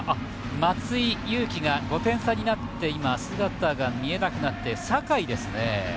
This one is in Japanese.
松井裕樹が５点差になって姿が見えなくなって、酒居ですね。